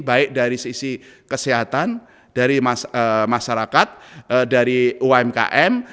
baik dari sisi kesehatan dari masyarakat dari umkm